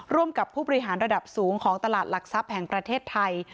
ร่วมกับผู้บริหารระดับสูงของตลาดหลักทรัพย์แห่งประเทศไทย